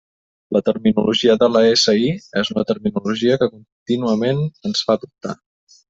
La terminologia de la SI és una terminologia que contínuament ens fa dubtar.